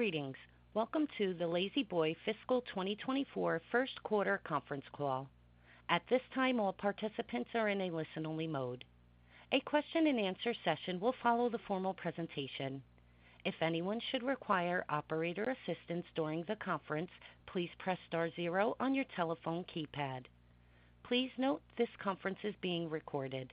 Greetings. Welcome to the La-Z-Boy fiscal 2024 first quarter conference call. At this time, all participants are in a listen-only mode. A question-and-answer session will follow the formal presentation. If anyone should require operator assistance during the conference, please press star zero on your telephone keypad. Please note this conference is being recorded.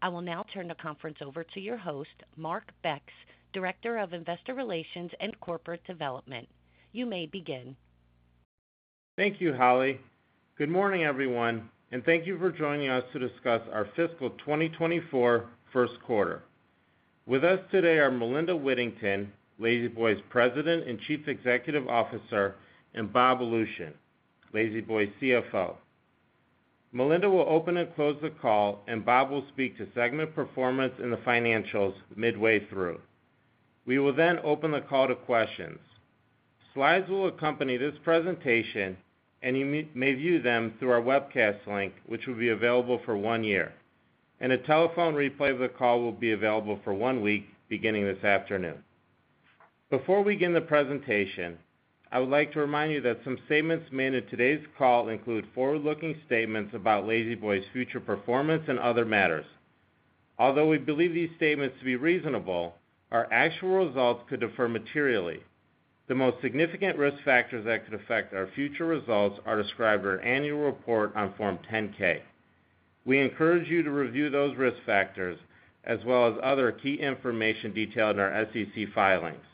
I will now turn the conference over to your host, Mark Becks, Director of Investor Relations and Corporate Development. You may begin. Thank you, Holly. Good morning, everyone, and thank you for joining us to discuss our fiscal 2024 first quarter. With us today are Melinda Whittington, La-Z-Boy's President and Chief Executive Officer, Bob Lucian, La-Z-Boy's CFO. Melinda will open and close the call, Bob will speak to segment performance and the financials midway through. We will then open the call to questions. Slides will accompany this presentation, you may view them through our webcast link, which will be available for one year, a telephone replay of the call will be available for one week, beginning this afternoon. Before we begin the presentation, I would like to remind you that some statements made in today's call include forward-looking statements about La-Z-Boy's future performance and other matters. Although we believe these statements to be reasonable, our actual results could differ materially. The most significant risk factors that could affect our future results are described in our annual report on Form 10-K. We encourage you to review those risk factors as well as other key information detailed in our SEC filings.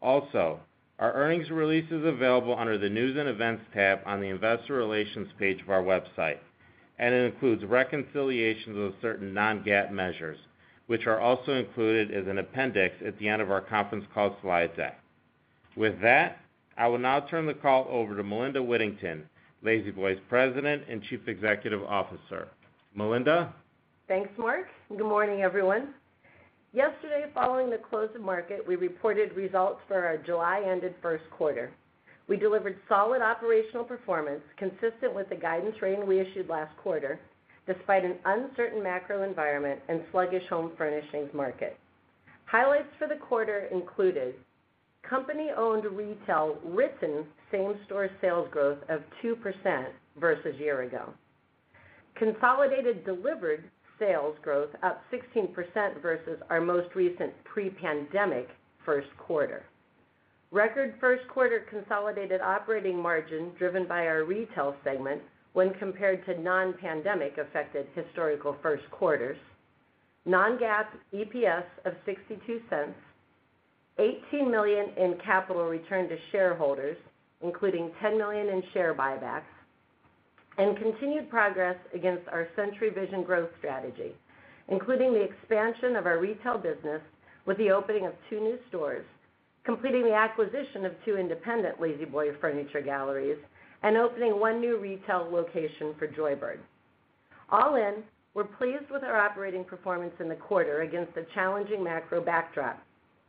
Also, our earnings release is available under the News and Events tab on the Investor Relations page of our website, and it includes reconciliations of certain non-GAAP measures, which are also included as an appendix at the end of our conference call slide deck. With that, I will now turn the call over to Melinda Whittington, La-Z-Boy's President and Chief Executive Officer. Melinda? Thanks, Mark. Good morning, everyone. Yesterday, following the close of market, we reported results for our July-ended first quarter. We delivered solid operational performance consistent with the guidance range we issued last quarter, despite an uncertain macro environment and sluggish home furnishings market. Highlights for the quarter included company-owned retail written same-store sales growth of 2% versus year ago, consolidated delivered sales growth up 16% versus our most recent pre-pandemic first quarter, record first quarter consolidated operating margin, driven by our retail segment when compared to non-pandemic affected historical first quarters, non-GAAP EPS of $0.62, $18 million in capital returned to shareholders, including $10 million in share buybacks, and continued progress against our Century Vision growth strategy, including the expansion of our retail business with the opening of two new stores, completing the acquisition of two independent La-Z-Boy Furniture Galleries, and opening 1 new retail location for Joybird. All in, we're pleased with our operating performance in the quarter against a challenging macro backdrop.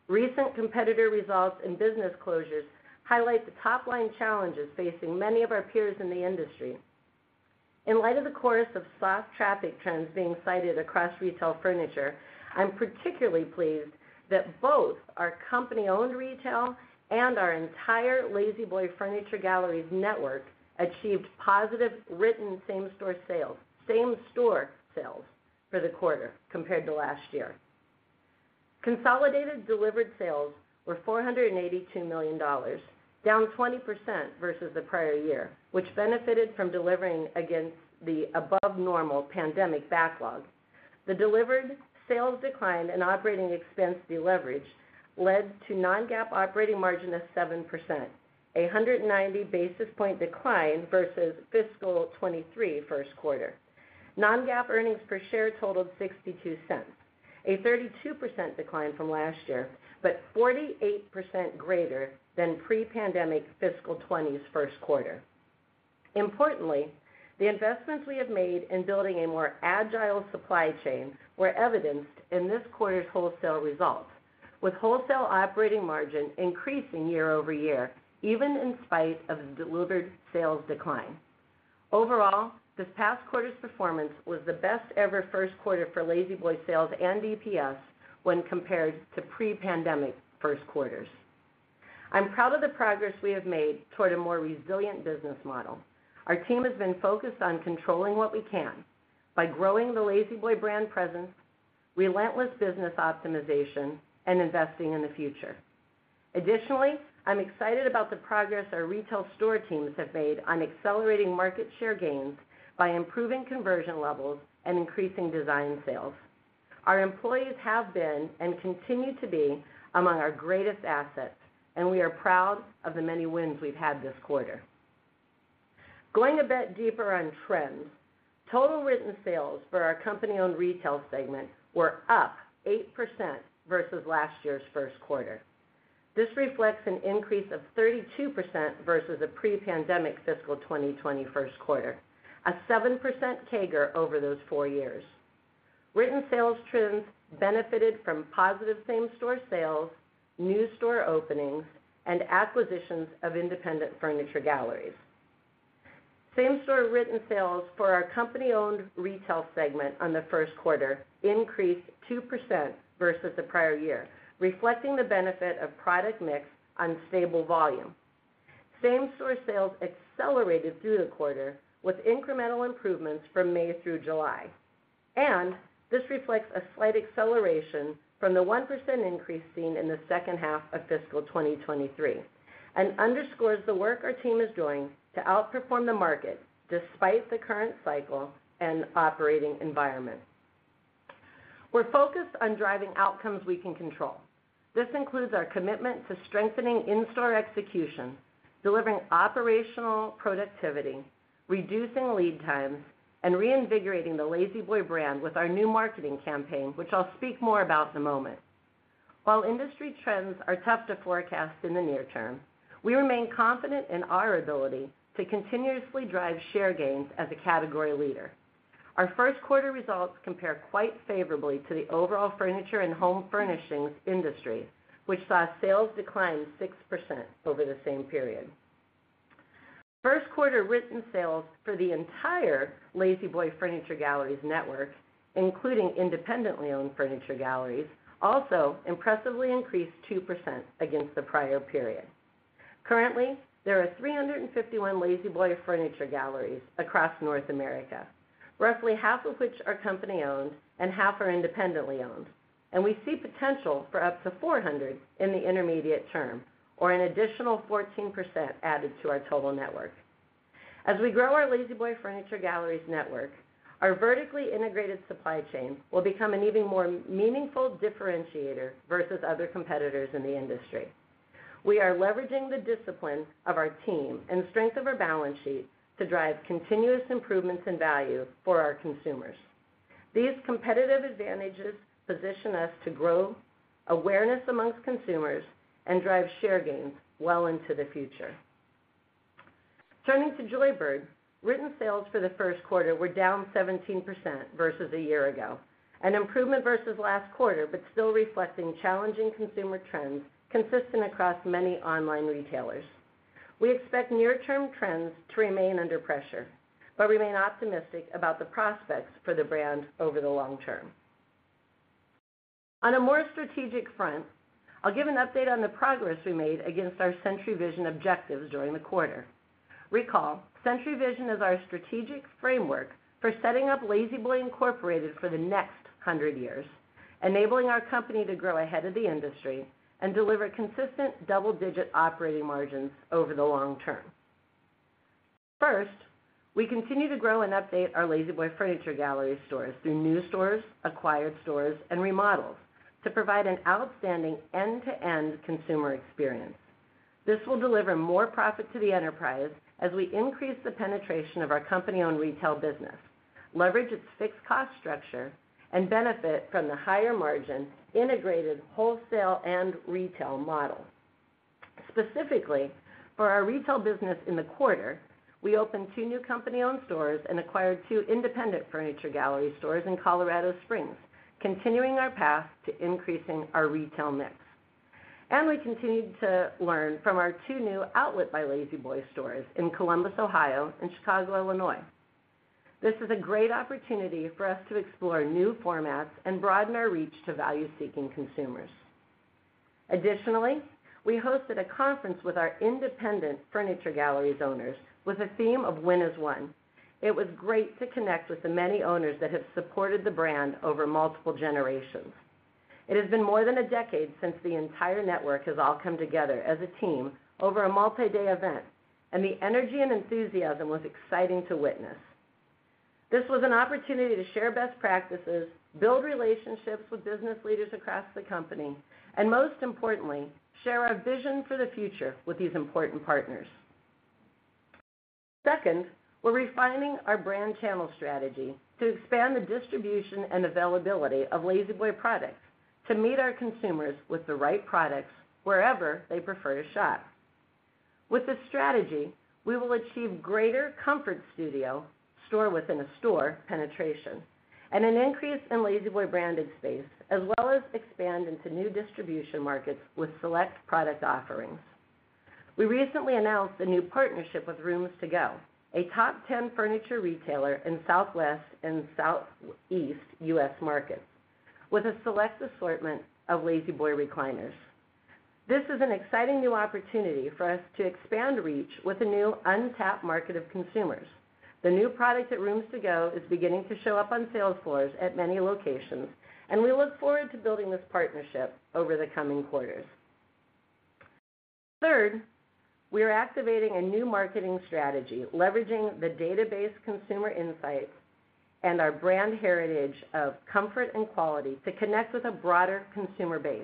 Recent competitor results and business closures highlight the top-line challenges facing many of our peers in the industry. In light of the course of soft traffic trends being cited across retail furniture, I'm particularly pleased that both our company-owned retail and our entire La-Z-Boy Furniture Galleries network achieved positive written same-store sales for the quarter compared to last year. Consolidated delivered sales were $482 million, down 20% versus the prior year, which benefited from delivering against the above normal pandemic backlog. The delivered sales decline and operating expense deleverage led to non-GAAP operating margin of 7%, a 190 basis point decline versus fiscal 2023 first quarter. Non-GAAP earnings per share totaled $0.62, a 32% decline from last year, 48% greater than pre-pandemic fiscal 2020's first quarter. Importantly, the investments we have made in building a more agile supply chain were evidenced in this quarter's wholesale results, with wholesale operating margin increasing year-over-year, even in spite of the delivered sales decline. Overall, this past quarter's performance was the best ever first quarter for La-Z-Boy sales and EPS when compared to pre-pandemic first quarters. I'm proud of the progress we have made toward a more resilient business model. Our team has been focused on controlling what we can by growing the La-Z-Boy brand presence, relentless business optimization, and investing in the future. Additionally, I'm excited about the progress our retail store teams have made on accelerating market share gains by improving conversion levels and increasing design sales. Our employees have been, and continue to be, among our greatest assets, and we are proud of the many wins we've had this quarter. Going a bit deeper on trends, total written sales for our company-owned retail segment were up 8% versus last year's first quarter. This reflects an increase of 32% versus a pre-pandemic fiscal 2020 first quarter, a 7% CAGR over those four years. Written sales trends benefited from positive same-store sales, new store openings, and acquisitions of independent furniture galleries. Same-store written sales for our company-owned retail segment on the first quarter increased 2% versus the prior year, reflecting the benefit of product mix on stable volume. Same-store sales accelerated through the quarter, with incremental improvements from May through July. This reflects a slight acceleration from the 1% increase seen in the second half of fiscal 2023, and underscores the work our team is doing to outperform the market despite the current cycle and operating environment. We're focused on driving outcomes we can control. This includes our commitment to strengthening in-store execution, delivering operational productivity, reducing lead times, and reinvigorating the La-Z-Boy brand with our new marketing campaign, which I'll speak more about in a moment. While industry trends are tough to forecast in the near term, we remain confident in our ability to continuously drive share gains as a category leader. Our first quarter results compare quite favorably to the overall furniture and home furnishings industry, which saw sales decline 6% over the same period. First quarter written sales for the entire La-Z-Boy Furniture Galleries network, including independently owned Furniture Galleries, also impressively increased 2% against the prior period. Currently, there are 351 La-Z-Boy Furniture Galleries across North America, roughly half of which are company-owned and half are independently owned, and we see potential for up to 400 in the intermediate term, or an additional 14% added to our total network. As we grow our La-Z-Boy Furniture Galleries network, our vertically integrated supply chain will become an even more meaningful differentiator versus other competitors in the industry. We are leveraging the discipline of our team and strength of our balance sheet to drive continuous improvements and value for our consumers. These competitive advantages position us to grow awareness amongst consumers and drive share gains well into the future. Turning to Joybird, written sales for the first quarter were down 17% versus a year ago, an improvement versus last quarter, but still reflecting challenging consumer trends consistent across many online retailers. We expect near-term trends to remain under pressure, but remain optimistic about the prospects for the brand over the long term. On a more strategic front, I'll give an update on the progress we made against our Century Vision objectives during the quarter. Recall, Century Vision is our strategic framework for setting up La-Z-Boy Incorporated for the next 100 years, enabling our company to grow ahead of the industry and deliver consistent double-digit operating margins over the long term. First, we continue to grow and update our La-Z-Boy Furniture Galleries stores through new stores, acquired stores, and remodels to provide an outstanding end-to-end consumer experience. This will deliver more profit to the enterprise as we increase the penetration of our company-owned retail business, leverage its fixed cost structure, and benefit from the higher margin integrated wholesale and retail model. Specifically, for our retail business in the quarter, we opened two new company-owned stores and acquired 2 independent Furniture Galleries stores in Colorado Springs, continuing our path to increasing our retail mix. We continued to learn from our two new Outlet by La-Z-Boy stores in Columbus, Ohio, and Chicago, Illinois. This is a great opportunity for us to explore new formats and broaden our reach to value-seeking consumers. Additionally, we hosted a conference with our independent Furniture Galleries owners with a theme of Win as One. It was great to connect with the many owners that have supported the brand over multiple generations. It has been more than a decade since the entire network has all come together as a team over a multi-day event, and the energy and enthusiasm was exciting to witness. This was an opportunity to share best practices, build relationships with business leaders across the company, and most importantly, share our vision for the future with these important partners. Second, we're refining our brand channel strategy to expand the distribution and availability of La-Z-Boy products to meet our consumers with the right products wherever they prefer to shop. With this strategy, we will achieve greater Comfort Studio store within a store penetration and an increase in La-Z-Boy branded space, as well as expand into new distribution markets with select product offerings. We recently announced a new partnership with Rooms To Go, a top 10 furniture retailer in Southwest and Southeast U.S. markets with a select assortment of La-Z-Boy recliners. This is an exciting new opportunity for us to expand reach with a new untapped market of consumers. The new product at Rooms To Go is beginning to show up on sales floors at many locations, and we look forward to building this partnership over the coming quarters. Third, we are activating a new marketing strategy, leveraging the database consumer insights and our brand heritage of comfort and quality to connect with a broader consumer base.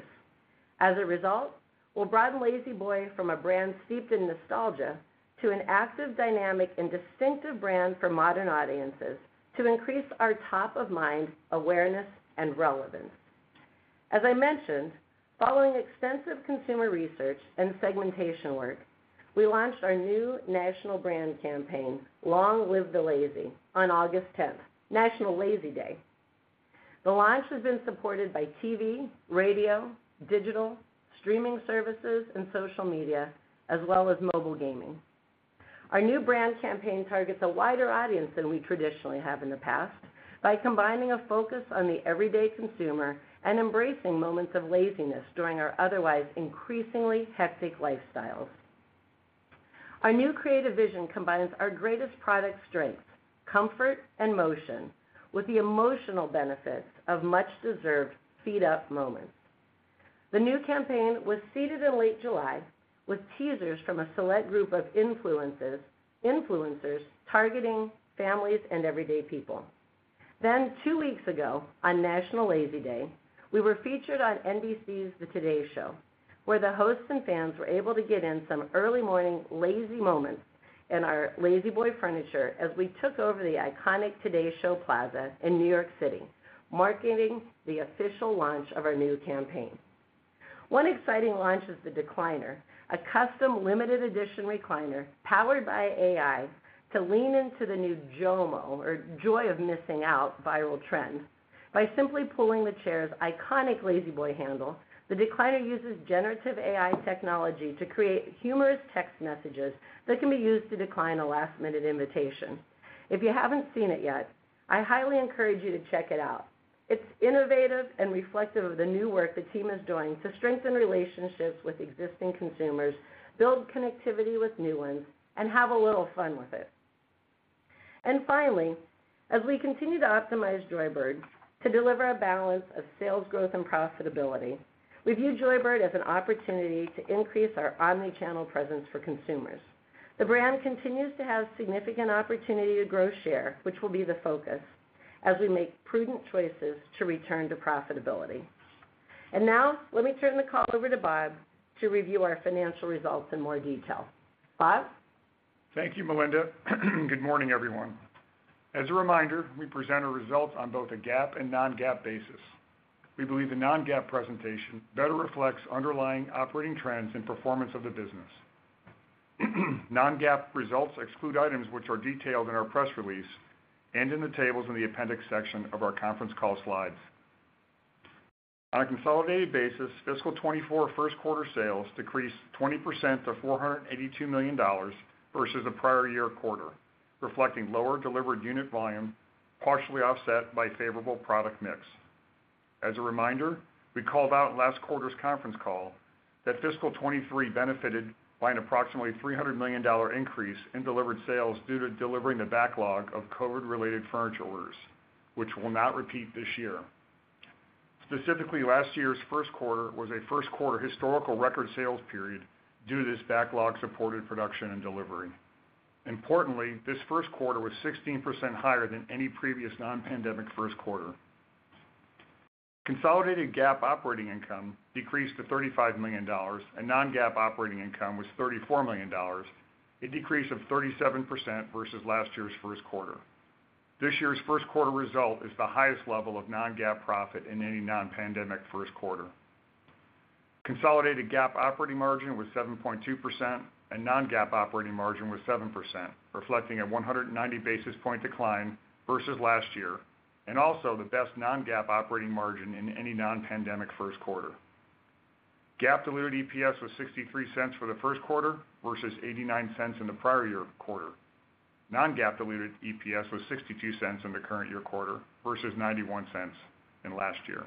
As a result, we'll broaden La-Z-Boy from a brand steeped in nostalgia to an active, dynamic, and distinctive brand for modern audiences to increase our top-of-mind awareness and relevance. As I mentioned, following extensive consumer research and segmentation work, we launched our new national brand campaign, Long Live the Lazy, on August 10th, National Lazy Day.... The launch has been supported by TV, radio, digital, streaming services, and social media, as well as mobile gaming. Our new brand campaign targets a wider audience than we traditionally have in the past, by combining a focus on the everyday consumer and embracing moments of laziness during our otherwise increasingly hectic lifestyles. Our new creative vision combines our greatest product strengths, comfort and motion, with the emotional benefits of much-deserved feet-up moments. The new campaign was seeded in late July, with teasers from a select group of influencers, targeting families and everyday people. two weeks ago, on National Lazy Day, we were featured on NBC's The Today Show, where the hosts and fans were able to get in some early morning lazy moments in our La-Z-Boy furniture as we took over the iconic Today Show Plaza in New York City, marking the official launch of our new campaign. One exciting launch is The Decliner, a custom limited edition recliner powered by AI to lean into the new JOMO, or Joy of Missing Out, viral trend. By simply pulling the chair's iconic La-Z-Boy handle, The Decliner uses generative AI technology to create humorous text messages that can be used to decline a last-minute invitation. If you haven't seen it yet, I highly encourage you to check it out. It's innovative and reflective of the new work the team is doing to strengthen relationships with existing consumers, build connectivity with new ones, and have a little fun with it. Finally, as we continue to optimize Joybird to deliver a balance of sales growth and profitability, we view Joybird as an opportunity to increase our omnichannel presence for consumers. The brand continues to have significant opportunity to grow share, which will be the focus as we make prudent choices to return to profitability. Now, let me turn the call over to Bob to review our financial results in more detail. Bob? Thank you, Melinda. Good morning, everyone. As a reminder, we present our results on both a GAAP and non-GAAP basis. We believe the non-GAAP presentation better reflects underlying operating trends and performance of the business. Non-GAAP results exclude items which are detailed in our press release and in the tables in the appendix section of our conference call slides. On a consolidated basis, fiscal 2024 first quarter sales decreased 20% to $482 million versus the prior year quarter, reflecting lower delivered unit volume, partially offset by favorable product mix. As a reminder, we called out in last quarter's conference call that fiscal 2023 benefited by an approximately $300 million increase in delivered sales due to delivering the backlog of COVID-related furniture orders, which will not repeat this year. Specifically, last year's first quarter was a first quarter historical record sales period due to this backlog-supported production and delivery. Importantly, this first quarter was 16% higher than any previous non-pandemic first quarter. Consolidated GAAP operating income decreased to $35 million, and non-GAAP operating income was $34 million, a decrease of 37% versus last year's first quarter. This year's first quarter result is the highest level of non-GAAP profit in any non-pandemic first quarter. Consolidated GAAP operating margin was 7.2%, and non-GAAP operating margin was 7%, reflecting a 190 basis point decline versus last year, and also the best non-GAAP operating margin in any non-pandemic first quarter. GAAP Diluted EPS was $0.63 for the first quarter versus $0.89 in the prior year quarter. Non-GAAP Diluted EPS was $0.62 in the current year quarter versus $0.91 in last year.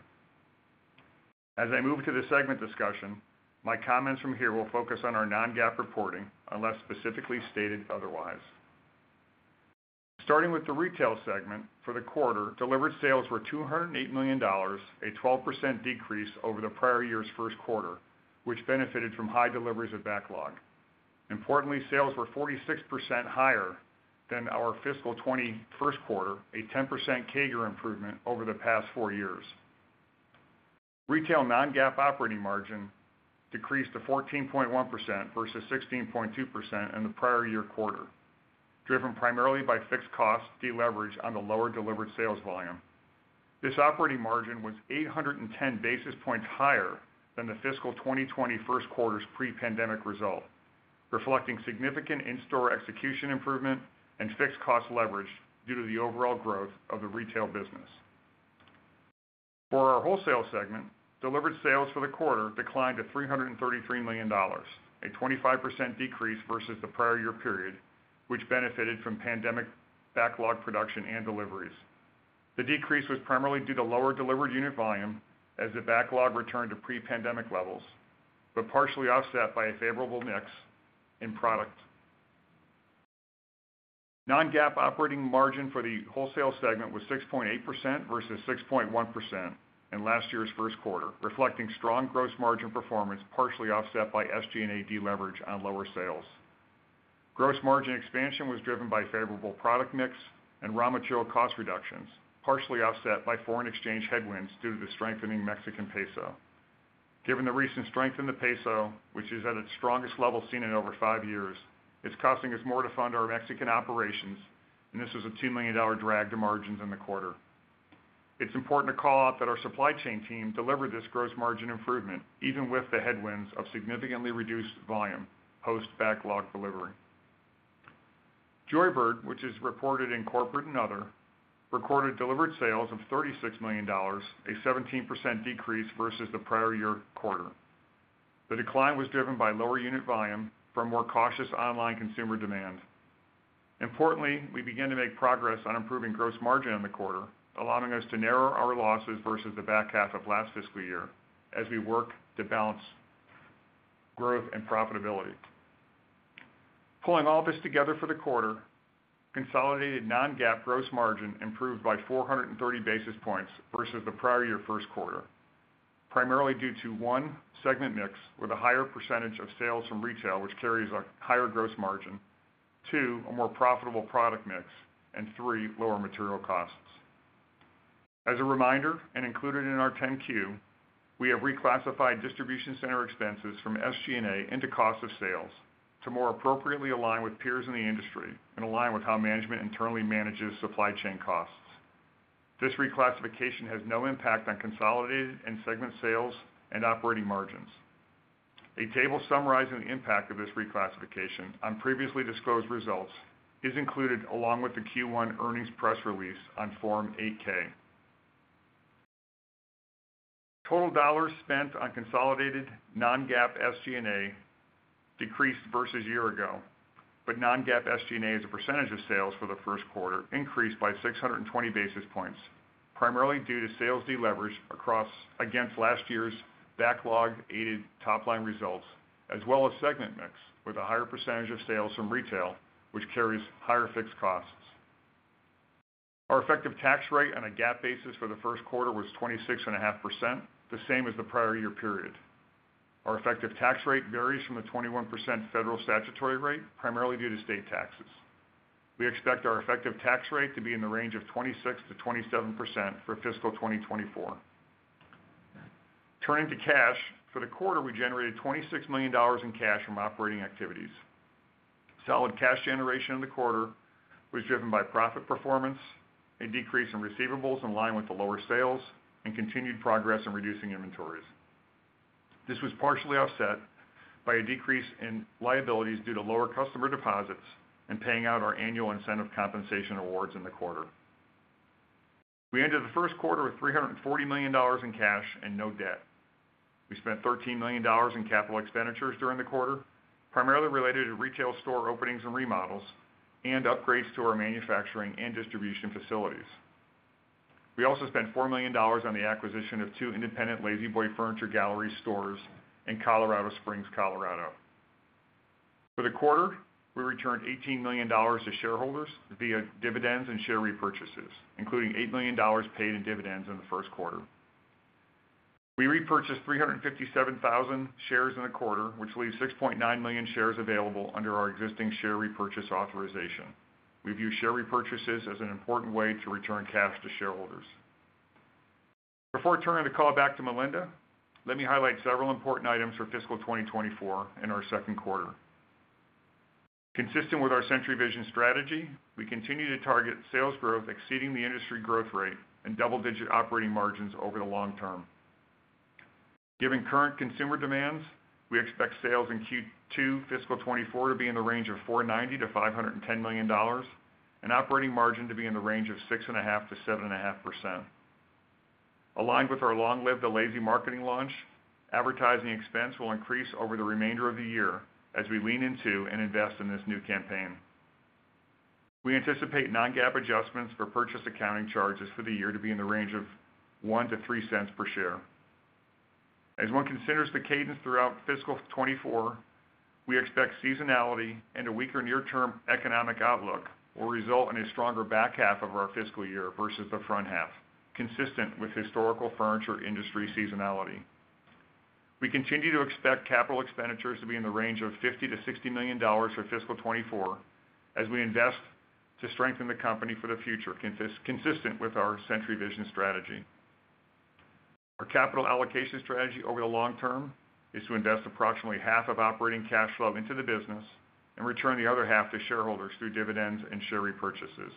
As I move to the segment discussion, my comments from here will focus on our non-GAAP reporting, unless specifically stated otherwise. Starting with the retail segment, for the quarter, delivered sales were $208 million, a 12% decrease over the prior year's first quarter, which benefited from high deliveries of backlog. Importantly, sales were 46% higher than our fiscal 2021 first quarter, a 10% CAGR improvement over the past four years. Retail non-GAAP operating margin decreased to 14.1% versus 16.2% in the prior year quarter, driven primarily by fixed cost deleverage on the lower delivered sales volume. This operating margin was 810 basis points higher than the fiscal 2020 first quarter's pre-pandemic result, reflecting significant in-store execution improvement and fixed cost leverage due to the overall growth of the retail business. For our wholesale segment, delivered sales for the quarter declined to $333 million, a 25% decrease versus the prior year period, which benefited from pandemic backlog production and deliveries. The decrease was primarily due to lower delivered unit volume as the backlog returned to pre-pandemic levels, but partially offset by a favorable mix in product. Non-GAAP operating margin for the wholesale segment was 6.8% versus 6.1% in last year's first quarter, reflecting strong gross margin performance, partially offset by SG&A deleverage on lower sales. Gross margin expansion was driven by favorable product mix and raw material cost reductions, partially offset by foreign exchange headwinds due to the strengthening Mexican peso. Given the recent strength in the peso, which is at its strongest level seen in over five years, it's costing us more to fund our Mexican operations, and this was a $2 million drag to margins in the quarter. It's important to call out that our supply chain team delivered this gross margin improvement, even with the headwinds of significantly reduced volume post-backlog delivery. Joybird, which is reported in corporate and other, recorded delivered sales of $36 million, a 17% decrease versus the prior year quarter. The decline was driven by lower unit volume from more cautious online consumer demand. Importantly, we began to make progress on improving gross margin in the quarter, allowing us to narrow our losses versus the back half of last fiscal year as we work to balance growth and profitability. Pulling all this together for the quarter, consolidated non-GAAP gross margin improved by 430 basis points versus the prior year first quarter, primarily due to, one, segment mix with a higher percentage of sales from retail, which carries a higher gross margin. two, a more profitable product mix, and three, lower material costs. As a reminder, and included in our Form 10-Q, we have reclassified distribution center expenses from SG&A into cost of sales to more appropriately align with peers in the industry and align with how management internally manages supply chain costs. This reclassification has no impact on consolidated and segment sales and operating margins. A table summarizing the impact of this reclassification on previously disclosed results is included, along with the Q1 earnings press release on Form 8-K. Total dollars spent on consolidated non-GAAP SG&A decreased versus year ago, but non-GAAP SG&A, as a percent of sales for the first quarter, increased by 620 basis points, primarily due to sales deleverage against last year's backlog, aided top line results, as well as segment mix with a higher percentage of sales from retail, which carries higher fixed costs. Our effective tax rate on a GAAP basis for the first quarter was 26.5%, the same as the prior year period. Our effective tax rate varies from the 21% federal statutory rate, primarily due to state taxes. We expect our effective tax rate to be in the range of 26%-27% for fiscal 2024. Turning to cash. For the quarter, we generated $26 million in cash from operating activities. Solid cash generation in the quarter was driven by profit performance, a decrease in receivables in line with the lower sales, and continued progress in reducing inventories. This was partially offset by a decrease in liabilities due to lower customer deposits and paying out our annual incentive compensation awards in the quarter. We ended the first quarter with $340 million in cash and no debt. We spent $13 million in capital expenditures during the quarter, primarily related to retail store openings and remodels, and upgrades to our manufacturing and distribution facilities. We also spent $4 million on the acquisition of two independent La-Z-Boy Furniture Galleries stores in Colorado Springs, Colorado. For the quarter, we returned $18 million to shareholders via dividends and share repurchases, including $8 million paid in dividends in the first quarter. We repurchased 357,000 shares in a quarter, which leaves 6.9 million shares available under our existing share repurchase authorization. We view share repurchases as an important way to return cash to shareholders. Before turning the call back to Melinda, let me highlight several important items for fiscal 2024 in our second quarter. Consistent with our Century Vision strategy, we continue to target sales growth exceeding the industry growth rate and double-digit operating margins over the long term. Given current consumer demands, we expect sales in Q2 fiscal 2024 to be in the range of $490 million-$510 million, and operating margin to be in the range of 6.5%-7.5%. Aligned with our Long Live the Lazy marketing launch, advertising expense will increase over the remainder of the year as we lean into and invest in this new campaign. We anticipate non-GAAP adjustments for purchase accounting charges for the year to be in the range of $0.01-$0.03 per share. As one considers the cadence throughout fiscal 2024, we expect seasonality and a weaker near-term economic outlook will result in a stronger back half of our fiscal year versus the front half, consistent with historical furniture industry seasonality. We continue to expect capital expenditures to be in the range of $50 million-$60 million for fiscal 2024, as we invest to strengthen the company for the future, consistent with our Century Vision strategy. Our capital allocation strategy over the long term is to invest approximately half of operating cash flow into the business and return the other half to shareholders through dividends and share repurchases.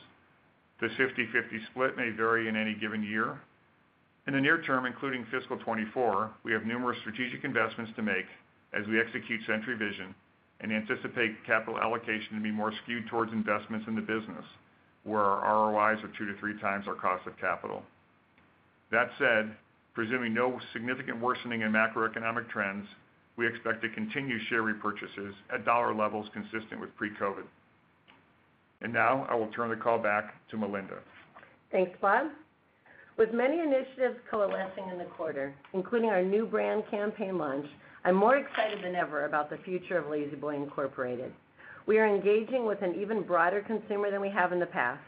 The 50/50 split may vary in any given year. In the near term, including fiscal 2024, we have numerous strategic investments to make as we execute Century Vision and anticipate capital allocation to be more skewed towards investments in the business, where our ROIs are 2x-3x our cost of capital. That said, presuming no significant worsening in macroeconomic trends, we expect to continue share repurchases at dollar levels consistent with pre-COVID. Now I will turn the call back to Melinda. Thanks, Bob. With many initiatives coalescing in the quarter, including our new brand campaign launch, I'm more excited than ever about the future of La-Z-Boy Incorporated. We are engaging with an even broader consumer than we have in the past,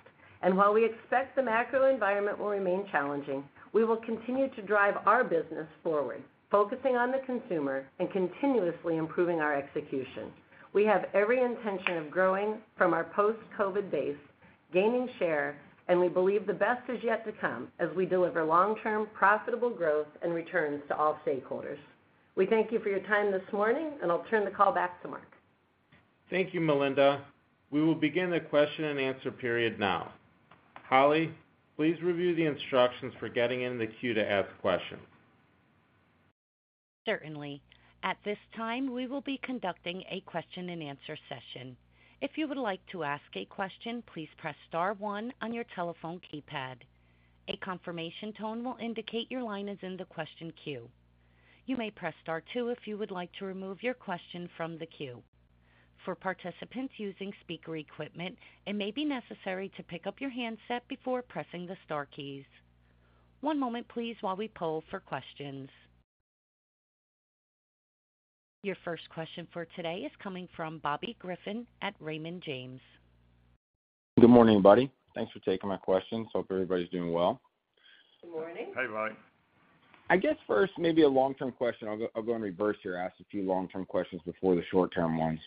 and while we expect the macro environment will remain challenging, we will continue to drive our business forward, focusing on the consumer and continuously improving our execution. We have every intention of growing from our post-COVID base, gaining share, and we believe the best is yet to come as we deliver long-term, profitable growth and returns to all stakeholders. We thank you for your time this morning, and I'll turn the call back to Mark. Thank you, Melinda. We will begin the question and answer period now. Holly, please review the instructions for getting in the queue to ask questions. Certainly. At this time, we will be conducting a question and answer session. If you would like to ask a question, please press star one on your telephone keypad. A confirmation tone will indicate your line is in the question queue. You may press star two if you would like to remove your question from the queue. For participants using speaker equipment, it may be necessary to pick up your handset before pressing the star keys. One moment please, while we poll for questions. Your first question for today is coming from Bobby Griffin at Raymond James. Good morning, everybody. Thanks for taking my questions. Hope everybody's doing well. Good morning. Hey, Bobby. I guess first, maybe a long-term question. I'll go, I'll go in reverse here, ask a few long-term questions before the short-term ones.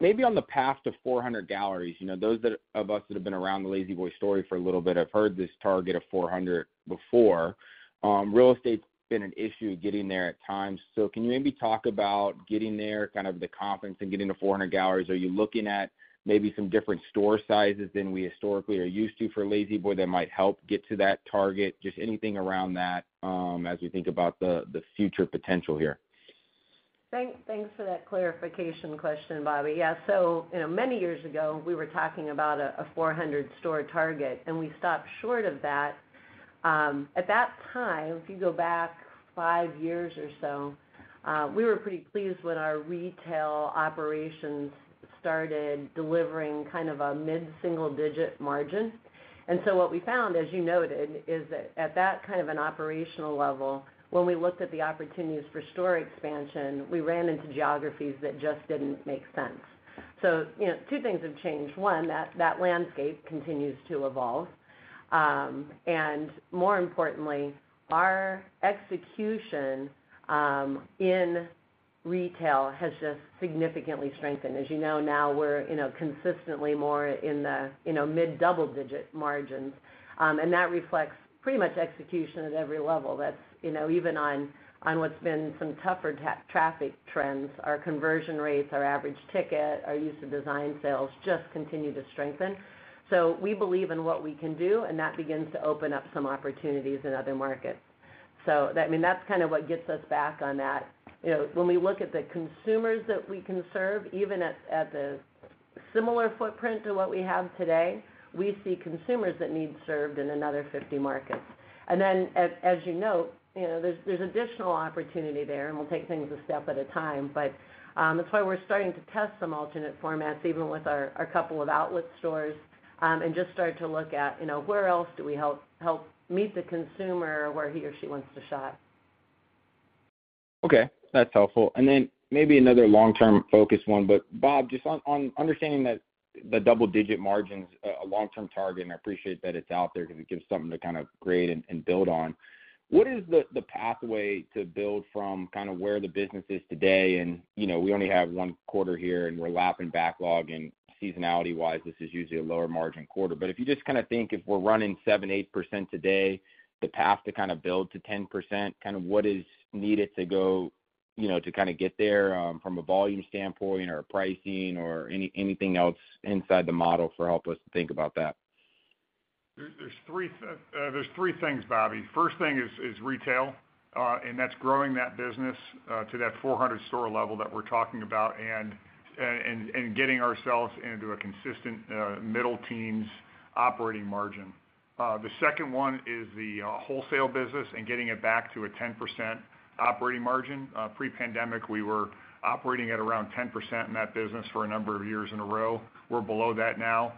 Maybe on the path to 400 galleries, you know, those that-- of us that have been around the La-Z-Boy story for a little bit have heard this target of 400 before. Real estate's been an issue getting there at times. So can you maybe talk about getting there, kind of the confidence in getting to 400 galleries? Are you looking at maybe some different store sizes than we historically are used to for La-Z-Boy that might help get to that target? Just anything around that, as we think about the, the future potential here. Thanks, thanks for that clarification question, Bobby. Yeah, you know, many years ago, we were talking about a, a 400 store target, and we stopped short of that. At that time, if you go back five years or so, we were pretty pleased when our retail operations started delivering kind of a mid-single-digit margin. What we found, as you noted, is that at that kind of an operational level, when we looked at the opportunities for store expansion, we ran into geographies that just didn't make sense. You know, two things have changed. One, that, that landscape continues to evolve. And more importantly, our execution in retail has just significantly strengthened. As you know, now we're, you know, consistently more in the, you know, mid-double-digit margins, and that reflects pretty much execution at every level. That's, you know, even on, on what's been some tougher traffic trends, our conversion rates, our average ticket, our use of design sales just continue to strengthen. We believe in what we can do, and that begins to open up some opportunities in other markets. That, I mean, that's kind of what gets us back on that. You know, when we look at the consumers that we can serve, even at, at the similar footprint to what we have today, we see consumers that need served in another 50 markets. Then, as, as you note, you know, there's, there's additional opportunity there, and we'll take things a step at a time. That's why we're starting to test some alternate formats, even with our, a couple of Outlet stores, and just start to look at, you know, where else do we help, help meet the consumer where he or she wants to shop. Okay, that's helpful. Then maybe another long-term focused one. Bob, just on, on understanding that the double-digit margins, a long-term target, and I appreciate that it's out there because it gives something to kind of grade and build on. What is the pathway to build from kind of where the business is today? You know, we only have one quarter here, and we're lapping backlog, and seasonality-wise, this is usually a lower margin quarter. If you just kinda think if we're running 7%-8% today, the path to kind of build to 10%, kind of what is needed to go, you know, to kinda get there from a volume standpoint or a pricing or anything else inside the model for help us to think about that. There, there's three, there's three things, Bobby. First thing is, is retail, and that's growing that business to that 400 store level that we're talking about and, and, and getting ourselves into a consistent, middle-teens operating margin. The second one is the wholesale business and getting it back to a 10% operating margin. Pre-pandemic, we were operating at around 10% in that business for a number of years in a row. We're below that now.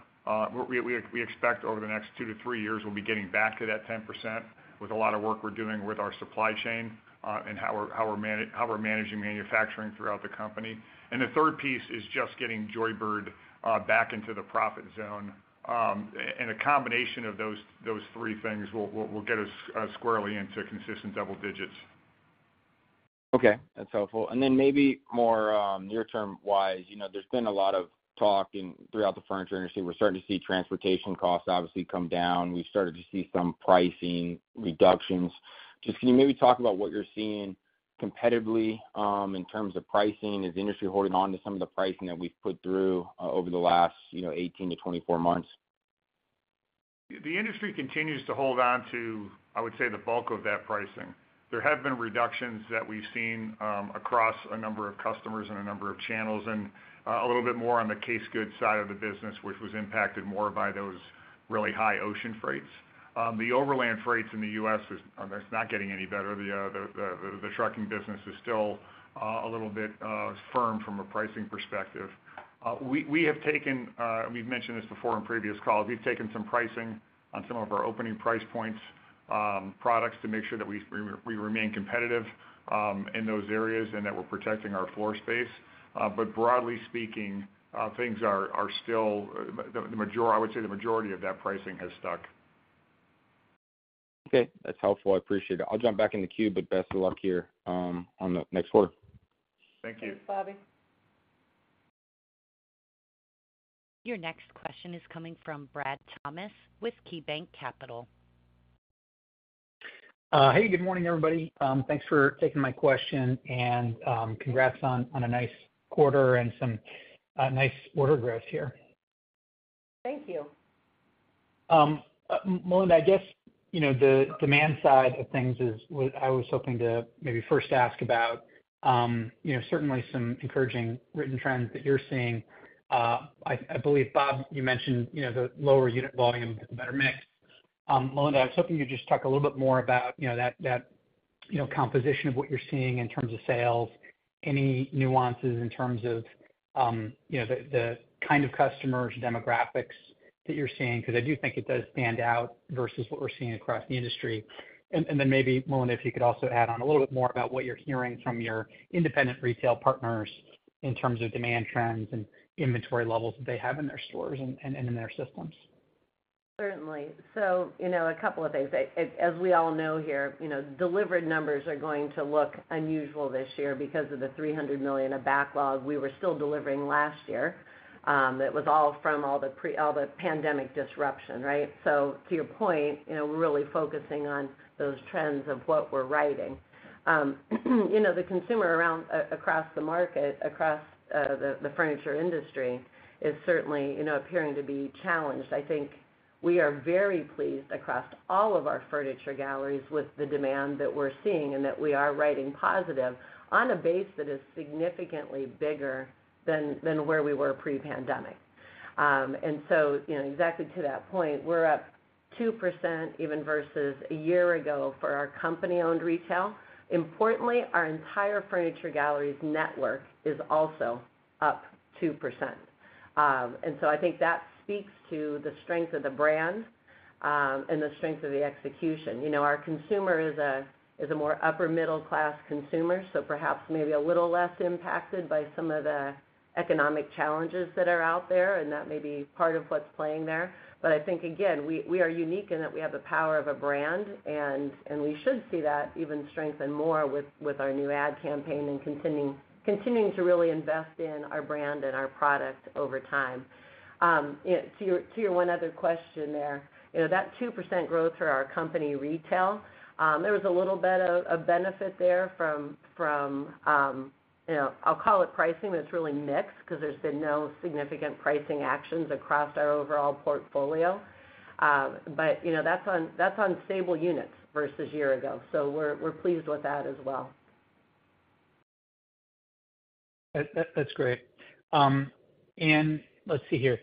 We, we, we expect over the next two years-three years, we'll be getting back to that 10% with a lot of work we're doing with our supply chain, and how we're, how we're managing manufacturing throughout the company. The third piece is just getting Joybird back into the profit zone. A combination of those, those three things will, will, will get us squarely into consistent double digits. Okay, that's helpful. Then maybe more near-term wise, you know, there's been a lot of talk throughout the furniture industry. We're starting to see transportation costs obviously come down. We've started to see some pricing reductions. Just can you maybe talk about what you're seeing competitively in terms of pricing? Is the industry holding on to some of the pricing that we've put through over the last, you know, 18 months-24 months? The industry continues to hold on to, I would say, the bulk of that pricing. There have been reductions that we've seen, across a number of customers and a number of channels, and a little bit more on the case goods side of the business, which was impacted more by those really high ocean freights. The overland freights in the U.S. is, it's not getting any better. The, the, the trucking business is still a little bit firm from a pricing perspective. We, we have taken, we've mentioned this before in previous calls. We've taken some pricing on some of our opening price points, products to make sure that we, we, we remain competitive, in those areas and that we're protecting our floor space. Broadly speaking, things are, are still... I would say the majority of that pricing has stuck. Okay, that's helpful. I appreciate it. I'll jump back in the queue. Best of luck here on the next quarter. Thank you. Thanks, Bobby. Your next question is coming from Brad Thomas with KeyBanc Capital. Hey, good morning, everybody. Thanks for taking my question, and congrats on, on a nice quarter and some nice quarter growth here. Thank you. Melinda, I guess, you know, the demand side of things is what I was hoping to maybe first ask about. You know, certainly some encouraging written trends that you're seeing. I, I believe, Bob, you mentioned, you know, the lower unit volume, better mix. Melinda, I was hoping you'd just talk a little bit more about, you know, that, that, you know, composition of what you're seeing in terms of sales, any nuances in terms of, you know, the, the kind of customers, demographics that you're seeing, because I do think it does stand out versus what we're seeing across the industry. And then maybe, Melinda, if you could also add on a little bit more about what you're hearing from your independent retail partners in terms of demand trends and inventory levels that they have in their stores and, and in their systems. Certainly. You know, a couple of things. As, as we all know here, you know, delivered numbers are going to look unusual this year because of the $300 million of backlog we were still delivering last year. It was all from all the pandemic disruption, right. To your point, you know, we're really focusing on those trends of what we're writing. You know, the consumer around across the market, across the furniture industry is certainly, you know, appearing to be challenged. I think we are very pleased across all of our Furniture Galleries with the demand that we're seeing and that we are writing positive on a base that is significantly bigger than, than where we were pre-pandemic. You know, exactly to that point, we're up 2%, even versus a year ago for our company-owned retail. Importantly, our entire Furniture Galleries network is also up 2%. I think that speaks to the strength of the brand and the strength of the execution. You know, our consumer is a, is a more upper middle-class consumer, so perhaps maybe a little less impacted by some of the economic challenges that are out there, and that may be part of what's playing there. I think, again, we, we are unique in that we have the power of a brand, and we should see that even strengthen more with our new ad campaign and continuing to really invest in our brand and our product over time. You know, to your, to your one other question there, you know, that 2% growth for our company retail, there was a little bit of, of benefit there from, from, you know, I'll call it pricing, but it's really mix because there's been no significant pricing actions across our overall portfolio. You know, that's on, that's on stable units versus year ago, so we're, we're pleased with that as well. That, that, that's great. Let's see here.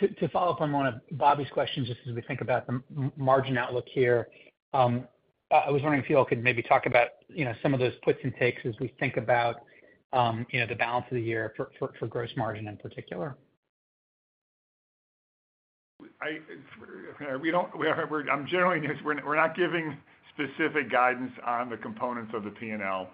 To, to follow up on one of Bobby's questions, just as we think about the margin outlook here, I, I was wondering if you all could maybe talk about, you know, some of those puts and takes as we think about, you know, the balance of the year for, for, for gross margin in particular. Generally, it's we're, we're not giving specific guidance on the components of the P&L.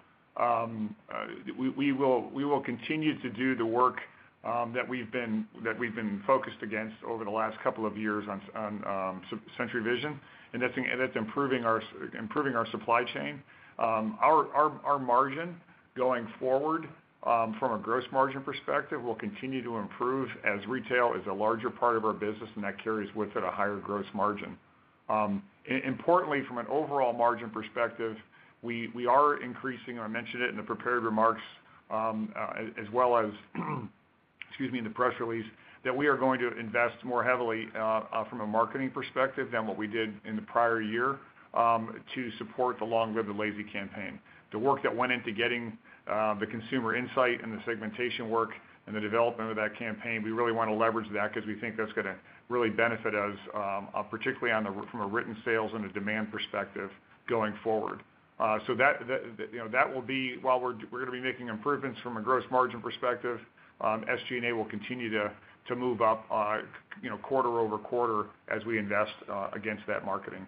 We will continue to do the work that we've been focused against over the last couple of years on Century Vision, and that's improving our supply chain. Our margin going forward, from a gross margin perspective, will continue to improve as retail is a larger part of our business, and that carries with it a higher gross margin. Importantly, from an overall margin perspective, we, we are increasing, I mentioned it in the prepared remarks, as well as, excuse me, in the press release, that we are going to invest more heavily from a marketing perspective than what we did in the prior year to support the Long Live the Lazy campaign. The work that went into getting the consumer insight and the segmentation work and the development of that campaign, we really wanna leverage that because we think that's gonna really benefit us, particularly from a written sales and a demand perspective going forward. That, that, you know, that will be... While we're, we're gonna be making improvements from a gross margin perspective, SG&A will continue to, to move up, you know, quarter-over-quarter as we invest against that marketing.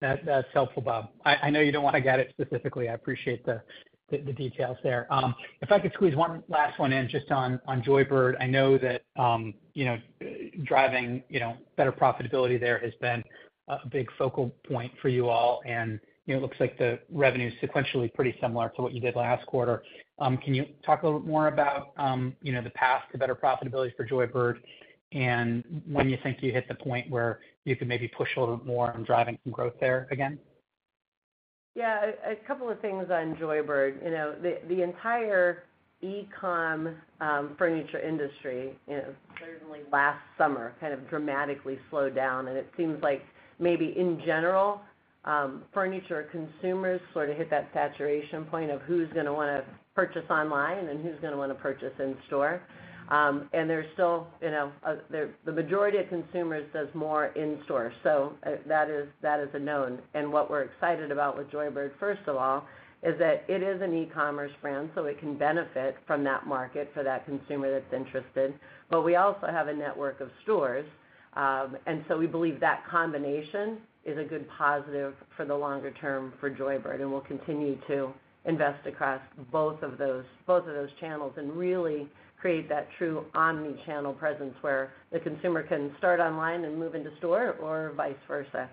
That, that's helpful, Bob. I, I know you don't want to get it specifically. I appreciate the, the, the details there. If I could squeeze one last one in, just on, on Joybird, I know that, you know, driving, you know, better profitability there has been a, a big focal point for you all, and, you know, it looks like the revenue is sequentially pretty similar to what you did last quarter. Can you talk a little bit more about, you know, the path to better profitability for Joybird, and when you think you hit the point where you can maybe push a little bit more on driving some growth there again? Yeah, a, a couple of things on Joybird. You know, the, the entire e-commerce furniture industry, you know, certainly last summer, kind of dramatically slowed down, and it seems like maybe in general, furniture consumers sort of hit that saturation point of who's gonna wanna purchase online and who's gonna wanna purchase in store. There's still, you know, the, the majority of consumers does more in store, so, that is, that is a known. What we're excited about with Joybird, first of all, is that it is an e-commerce brand, so it can benefit from that market for that consumer that's interested. We also have a network of stores, and so we believe that combination is a good positive for the longer term for Joybird, and we'll continue to invest across both of those, both of those channels and really create that true omnichannel presence where the consumer can start online and move into store or vice versa.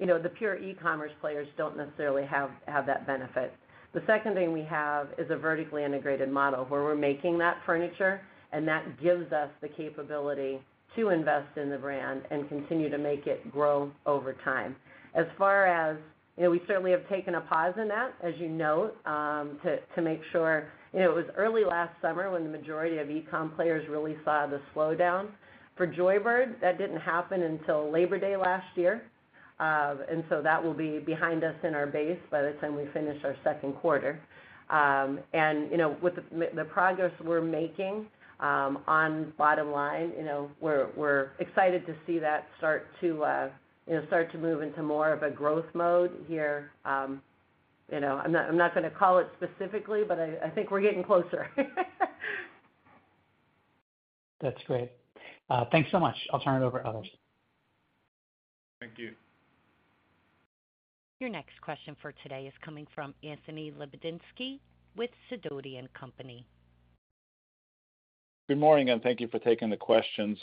You know, the pure e-commerce players don't necessarily have, have that benefit. The second thing we have is a vertically integrated model, where we're making that furniture, and that gives us the capability to invest in the brand and continue to make it grow over time. As far as... You know, we certainly have taken a pause in that, as you note, to, to make sure, you know, it was early last summer when the majority of e-commerce players really saw the slowdown. For Joybird, that didn't happen until Labor Day last year. That will be behind us in our base by the time we finish our second quarter. You know, with the, the progress we're making, on bottom line, you know, we're, we're excited to see that start to, you know, start to move into more of a growth mode here. You know, I'm not, I'm not gonna call it specifically, but I, I think we're getting closer. That's great. Thanks so much. I'll turn it over to others. Thank you. Your next question for today is coming from Anthony Lebiedzinski with Sidoti & Company. Good morning, thank you for taking the questions.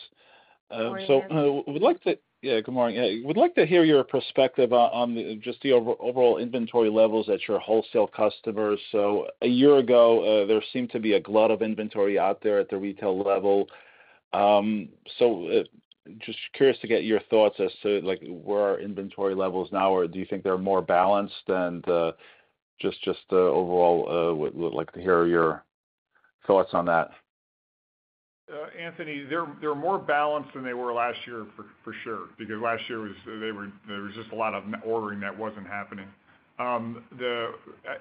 Good morning, Anthony. Good morning. We'd like to hear your perspective on the, just the overall inventory levels at your wholesale customers. A year ago, there seemed to be a glut of inventory out there at the retail level. Just curious to get your thoughts as to, like, where are inventory levels now? Or do you think they're more balanced? Just, just, overall, would like to hear your thoughts on that. Anthony, they're more balanced than they were last year, for sure, because last year was, there was just a lot of ordering that wasn't happening. At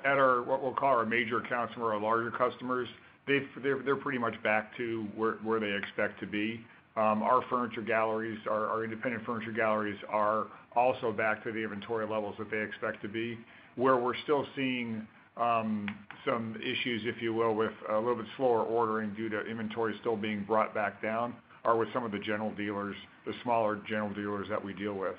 our, what we'll call our major accounts or our larger customers, they're pretty much back to where they expect to be. Our furniture galleries, our independent furniture galleries are also back to the inventory levels that they expect to be. Where we're still seeing some issues, if you will, with a little bit slower ordering due to inventory still being brought back down, are with some of the general dealers, the smaller general dealers that we deal with.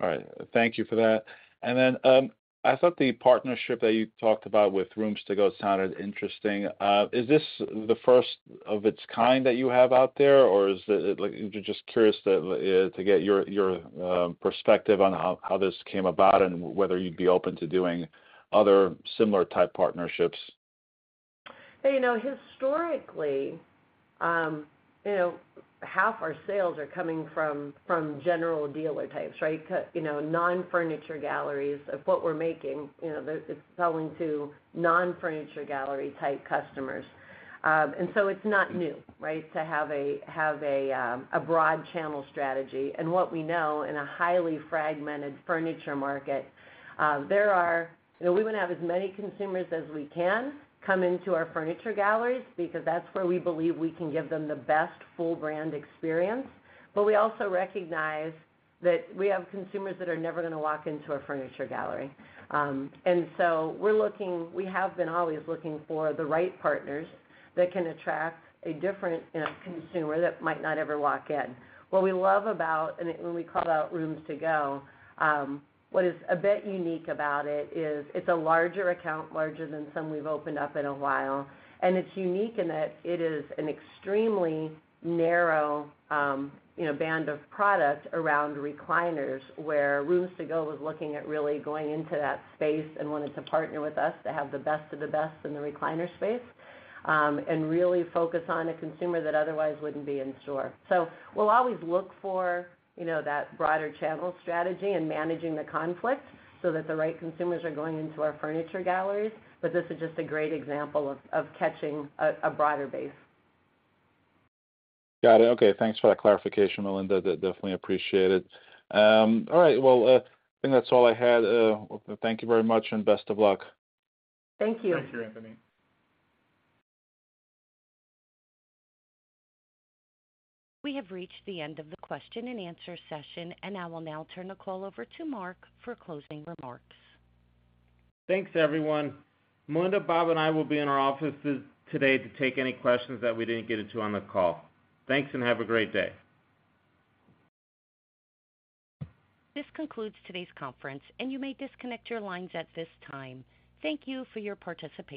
All right. Thank you for that. I thought the partnership that you talked about with Rooms To Go sounded interesting. Is this the first of its kind that you have out there, or is it like... I'm just curious to get your, your, perspective on how, how this came about and whether you'd be open to doing other similar type partnerships. Hey, you know, historically, you know, 1/2 our sales are coming from, from general dealer types, right? Because, you know, non-furniture galleries of what we're making, you know, they're, it's selling to non-furniture gallery type customers. So it's not new, right? To have a, have a broad channel strategy. What we know in a highly fragmented furniture market. You know, we want to have as many consumers as we can come into our furniture galleries because that's where we believe we can give them the best full brand experience. We also recognize that we have consumers that are never gonna walk into a furniture gallery. So we're looking, we have been always looking for the right partners that can attract a different, you know, consumer that might not ever walk in. What we love about, and when we call out Rooms To Go, what is a bit unique about it is it's a larger account, larger than some we've opened up in a while. It's unique in that it is an extremely narrow, you know, band of product around recliners, where Rooms To Go was looking at really going into that space and wanted to partner with us to have the best of the best in the recliner space, and really focus on a consumer that otherwise wouldn't be in store. We'll always look for, you know, that broader channel strategy and managing the conflict so that the right consumers are going into our La-Z-Boy Furniture Galleries. This is just a great example of, of catching a, a broader base. Got it. Okay, thanks for that clarification, Melinda. That, definitely appreciate it. All right, well, I think that's all I had. Thank you very much, and best of luck. Thank you. Thank you, Anthony. We have reached the end of the question and answer session, and I will now turn the call over to Mark for closing remarks. Thanks, everyone. Melinda, Bob, and I will be in our offices today to take any questions that we didn't get into on the call. Thanks. Have a great day. This concludes today's conference, and you may disconnect your lines at this time. Thank you for your participation.